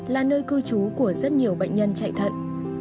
là nơi cư trú của rất nhiều bệnh nhân chạy thận